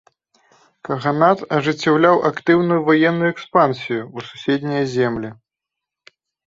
Каганат ажыццяўляў актыўную ваенную экспансію ў суседнія землі.